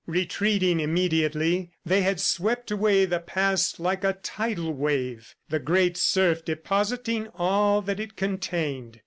Retreating immediately, they had swept away the past like a tidal wave the great surf depositing all that it contained.